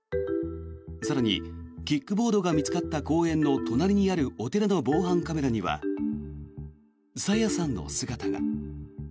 更に、キックボードが見つかった公園の隣にあるお寺の防犯カメラには朝芽さんの姿が。